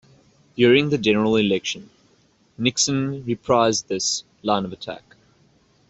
During the general election, Nixon reprised this line of attack.